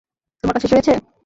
তোমার কাজ শেষ হয়েছে।